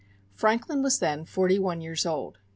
Franklin was then forty one years old.